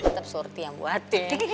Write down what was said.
tetep surti yang buatin